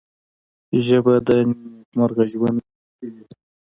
ژبه د نیکمرغه ژوند کلۍ ده